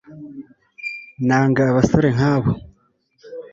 nanga abasore nkabo